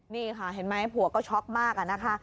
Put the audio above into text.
นี่ค่ะเห็นไหมผัวก็ช็อกมากอะนะคะ